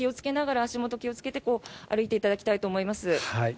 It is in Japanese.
足元、気をつけて歩いていただきたいと思います。